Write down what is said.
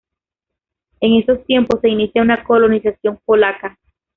En esos tiempos se inicia una colonización polaca.